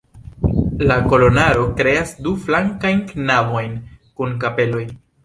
La kolonaro kreas du flankajn navojn kun kapeloj.